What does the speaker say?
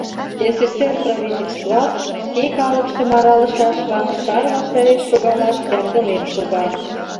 СССР правительстват, шке калыкшым аралышашлан, сар ваштареш шогалаш ямдылен шога.